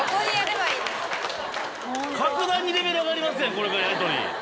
格段にレベル上がりますやんこれからやりとり。